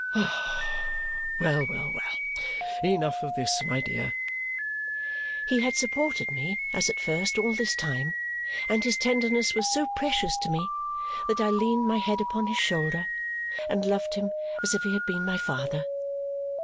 Well, well, well! Enough of this, my dear!" He had supported me, as at first, all this time, and his tenderness was so precious to me that I leaned my head upon his shoulder and loved him as if he had been my father.